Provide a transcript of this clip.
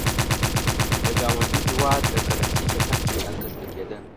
د ګاونډي هېواد کرنسي چټک بې ارزښته کېده.